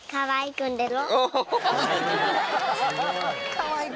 かわいい！